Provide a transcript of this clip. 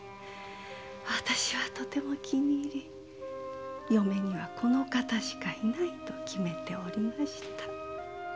私はとても気に入り嫁にはこの方しかいないと決めておりました。